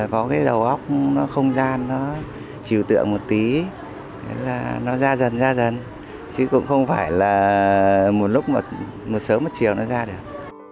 có cái đầu óc nó không gian nó chiều tượng một tí là nó ra dần ra dần chứ cũng không phải là một lúc mà một sớm một chiều nó ra được